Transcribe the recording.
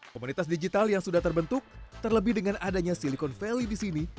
komunitas digital yang sudah terbentuk terlebih dengan adanya silicon valley di sini